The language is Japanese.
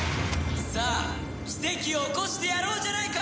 さあ奇跡を起こしてやろうじゃないか！